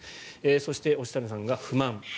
そして、押谷さんが不満。